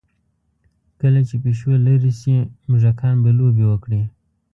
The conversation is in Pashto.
کله چې پیشو لرې شي، موږکان به لوبې وکړي.